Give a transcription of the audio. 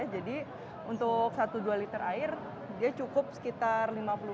jadi untuk satu dua liter air suhu cukup sekitar lima puluh mili